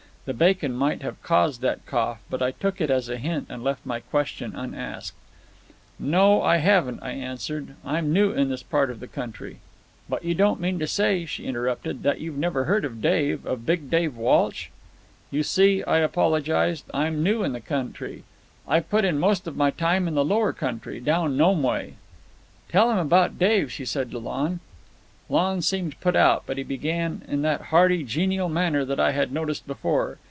The bacon might have caused that cough, but I took it as a hint and left my question unasked. "No, I haven't," I answered. "I'm new in this part of the country—" "But you don't mean to say," she interrupted, "that you've never heard of Dave—of Big Dave Walsh?" "You see," I apologised, "I'm new in the country. I've put in most of my time in the Lower Country, down Nome way." "Tell him about Dave," she said to Lon. Lon seemed put out, but he began in that hearty, genial manner that I had noticed before.